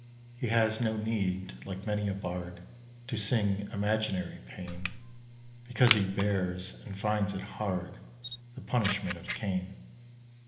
He has no need, like many a bard, To sing imaginary pain, Because he bears, and finds it hard, The punishment of Cain.